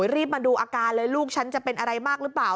รีบมาดูอาการเลยลูกฉันจะเป็นอะไรมากหรือเปล่า